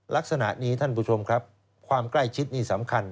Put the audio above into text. ลักษณะนี้ท่านผู้ชมครับความใกล้ชิดนี่สำคัญ